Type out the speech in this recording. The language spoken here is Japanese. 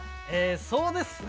そうですね